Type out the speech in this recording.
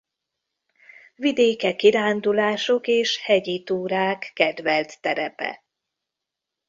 Vidéke kirándulások és hegyi túrák kedvelt terepe.